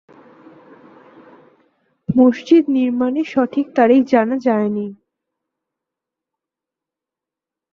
মসজিদ নির্মাণের সঠিক তারিখ জানা যায়নি।